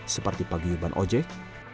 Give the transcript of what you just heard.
seperti pagi yuban ojek